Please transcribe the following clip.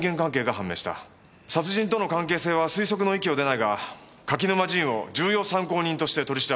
殺人との関係性は推測の域を出ないが柿沼仁を重要参考人として取り調べる。